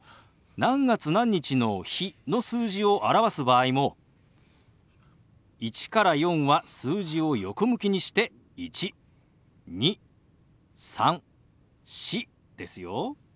何月何日の「日」の数字を表す場合も１から４は数字を横向きにして「１」「２」「３」「４」ですよ。